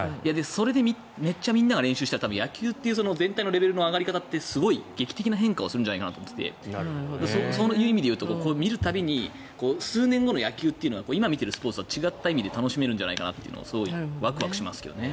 それでめっちゃみんなが練習したら野球という全体のレベルの上がり方って劇的な変化をするんじゃないかと思っていてそういう意味で言うと見る度に数年後の野球というのが今見ているスポーツと違う意味で楽しめるのではとすごいワクワクしますけどね。